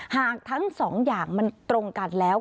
หากทั้งสองอย่างมันตรงกันแล้ว